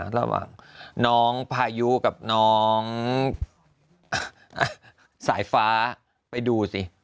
ระหว่างน้องพายุกับน้องสายฟ้าไปดูสิ